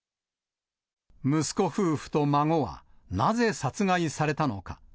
息子夫婦と孫は、なぜ殺害されたのか。